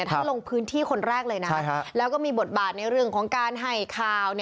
ท่านลงพื้นที่คนแรกเลยนะแล้วก็มีบทบาทในเรื่องของการให้ข่าว